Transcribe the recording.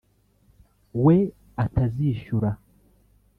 we atazishyura